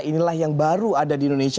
inilah yang baru ada di indonesia